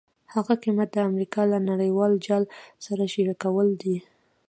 هغه قیمت د امریکا له نړیوال جال سره شریکېدل دي.